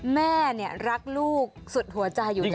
แม่รักลูกสุดหัวใจอยู่แล้ว